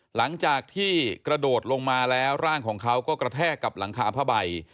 หลังจากที่กระโดดลงมาแล้วร่างของเขาก็กระแทกกับหลังคาผ้าใบ